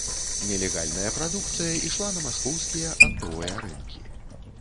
Нелегальная прадукцыя ішла на маскоўскія аптовыя рынкі.